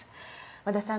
和田さん